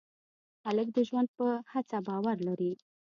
هلک د ژوند په هڅه باور لري.